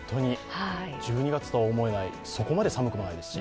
１２月とは思えない、そこまで寒くもないですし。